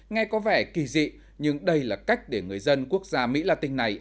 nghe có vẻ kỳ dị nhưng đây là cách để người dân quốc gia mỹ latin này